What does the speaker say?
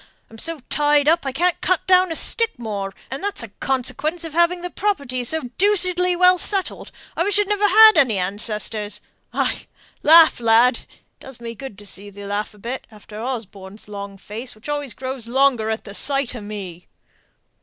I'm so tied up I can't cut down a stick more, and that's a 'consequence' of having the property so deucedly well settled; I wish I'd never had any ancestors. Ay, laugh, lad! it does me good to see thee laugh a bit, after Osborne's long face, which always grows longer at sight o' me!"